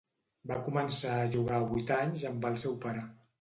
Va començar a jugar a vuit anys amb el seu pare.